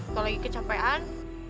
kok lagi kecapean